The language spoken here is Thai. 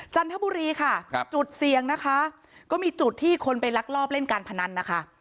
จรปุรีค่ะจุดเสี่ยงนะคะก็มีจุดที่เขาไปลักรอบเล่นการบันนั้นนะคะ